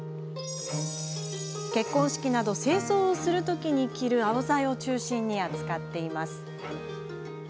結婚式など正装をする時に着るアオザイを中心に扱っています。